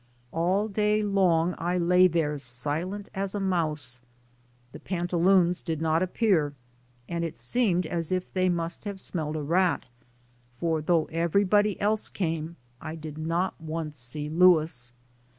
All day long I lay there silent as a mouse. The pantaloons did not appear and it seemed as if they must have smelled a rat, for though everybody else came, I did not once see Louis.